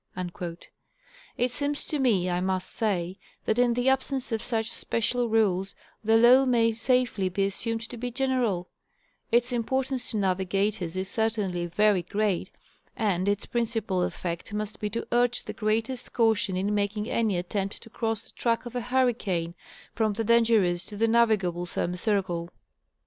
It seems to me, I must say, that in the absence of such special rules the law may safely be assumed to be general ; its importance to navigators is certainly very great, and its principal effect must be to urge the greatest cau tion in making any attempt to cross the track of a hurricane, from the dangerous to the navigable semicircle.